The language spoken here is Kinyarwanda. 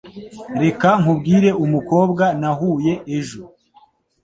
Reka nkubwire umukobwa nahuye ejo.